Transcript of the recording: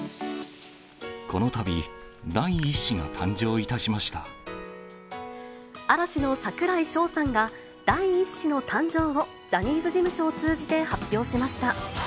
このたび、第１子が誕生いた嵐の櫻井翔さんが、第１子の誕生をジャニーズ事務所を通じて発表しました。